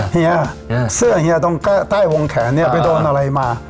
เฮียเสื้อต้องใต้วงแขนไปโดนอะไรมา